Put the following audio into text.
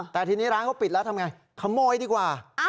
แต่ทีนี้ร้านเขาปิดแล้วทำไงขโมยดีกว่า